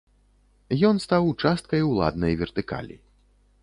Ён стаў часткай уладнай вертыкалі.